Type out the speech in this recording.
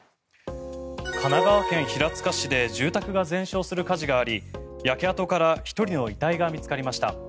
神奈川県平塚市で住宅が全焼する火事があり焼け跡から１人の遺体が見つかりました。